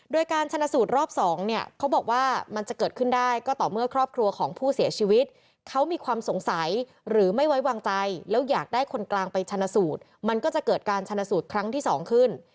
โดยการชนะสูตรรอบ๒เนี่ยเขาบอกว่ามันจะเกิดขึ้นได้ก็ต่อเมื่อครอบครัวของผู้เสียชีวิตเขามีความสงสัยหรือไม่ไว้วางใจแล้วอยากได้คนกลางไปชนะสูตรมันก็จะเกิดการชนะสูตรครั้งที่๒ขึ้น